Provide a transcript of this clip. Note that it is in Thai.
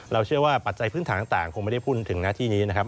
เชื่อว่าปัจจัยพื้นฐานต่างคงไม่ได้พูดถึงหน้าที่นี้นะครับ